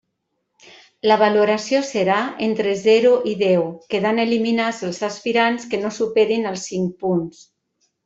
La valoració serà entre zero i deu, quedant eliminats els aspirants que no superin els cinc punts.